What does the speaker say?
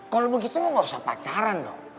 kalau begitu nggak usah pacaran dong